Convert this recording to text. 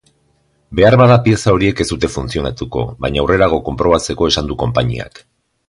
Beharbada pieza horiek ez dute funtzionatuko, baina aurrerago konprobatzeko esan du konpainiak.